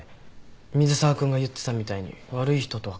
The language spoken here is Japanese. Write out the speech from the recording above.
水沢君が言ってたみたいに悪い人とは限らないし。